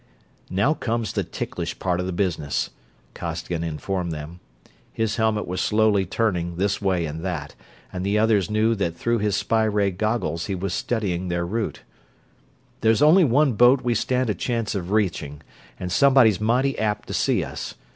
"Now comes the ticklish part of the business," Costigan informed them. His helmet was slowly turning this way and that, and the others knew that through his spy ray goggles he was studying their route. "There's only one boat we stand a chance of reaching, and somebody's mighty apt to see us.